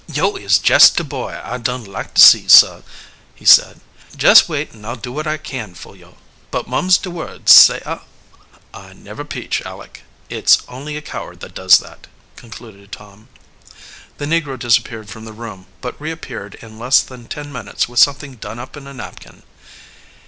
"Yo' is jest de boy I dun like to see, sah," he said. "Jess wait an' I'll do wot I can fo! You but mum's de word, sah eh?" "I never peach, Aleck; it's only a coward that does that," concluded Tom. The negro disappeared from the room, but reappeared in less than ten minutes with something done up in a napkin.